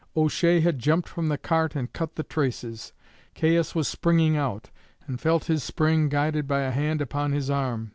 O'Shea had jumped from the cart and cut the traces. Caius was springing out, and felt his spring guided by a hand upon his arm.